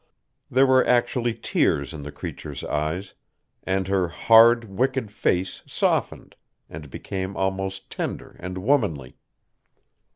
There were actually tears in the creature's eyes, and her hard, wicked face softened, and became almost tender and womanly.